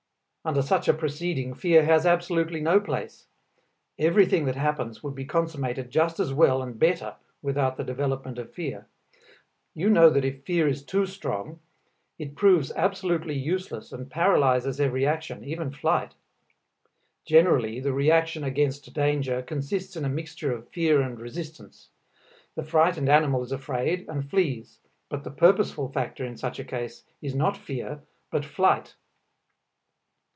Under such a proceeding fear has absolutely no place; everything that happens would be consummated just as well and better without the development of fear. You know that if fear is too strong, it proves absolutely useless and paralyzes every action, even flight. Generally the reaction against danger consists in a mixture of fear and resistance. The frightened animal is afraid and flees. But the purposeful factor in such a case is not fear but flight.